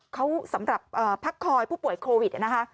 เขาสำหรับพักคอยผู้ป่วยโควิดนะคะ